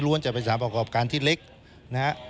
ล้วนจะเป็นสถานประกอบการที่เล็กนะครับ